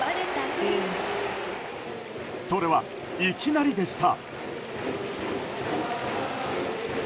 それは、いきなりでした。